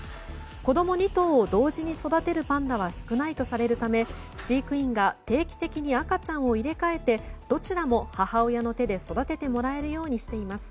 子供２頭を同時に育てるパンダは少ないとされるため飼育員が定期的に赤ちゃんを入れ替えてどちらも母親の手で育ててもらえるようにしています。